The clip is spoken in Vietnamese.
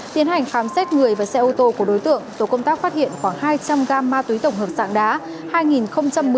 tiến hành khám xét người và xe ô tô của đối tượng tổ công tác phát hiện khoảng hai trăm linh gam ma túy tổng hợp sạng đá